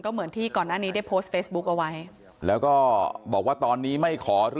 เหมือนที่ก่อนหน้านี้ได้โพสต์เฟซบุ๊คเอาไว้แล้วก็บอกว่าตอนนี้ไม่ขอ